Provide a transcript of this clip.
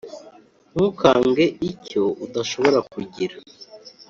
ntukage icyo udashobora kugira